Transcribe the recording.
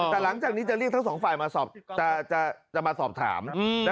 แต่หลังจากนี้จะเรียกทั้งสองฝ่ายมาสอบถาม